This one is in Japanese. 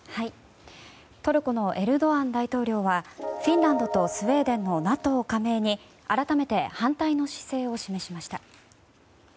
トルコのエルドアン大統領はフィンランドとスウェーデンのＮＡＴＯ加盟に改めて反対の姿勢を示しました。